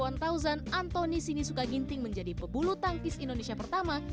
antoni sinisuka ginting menjadi pembulu tangkis indonesia pertama